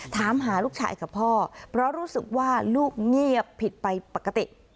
ถามหาลูกชายกับพ่อเพราะรู้สึกว่าลูกเงียบผิดไปปกติ